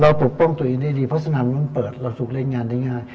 ปกป้องตัวเองได้ดีเพราะฉะนั้นมันเปิดเราถูกเล่นงานได้ง่าย